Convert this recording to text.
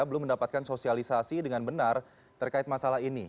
belum mendapatkan sosialisasi dengan benar terkait masalah ini